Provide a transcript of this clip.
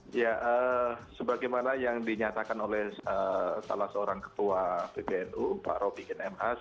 ya sebagaimana yang dinyatakan oleh salah seorang ketua pbnu pak roby genemhas